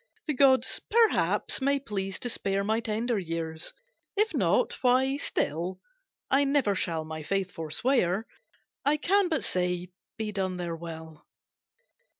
The gods, perhaps, may please to spare My tender years; if not, why, still I never shall my faith forswear, I can but say, be done their will."